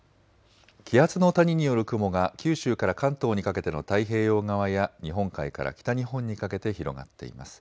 気圧の谷による雲が九州から関東にかけての太平洋側や日本海から北日本にかけて広がっています。